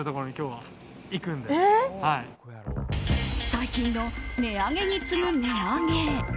最近の値上げに次ぐ値上げ。